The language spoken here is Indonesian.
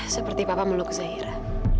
seperti papa meluk zahira